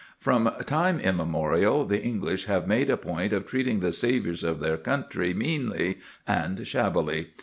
From time immemorial the English have made a point of treating the saviours of their country meanly and shabbily.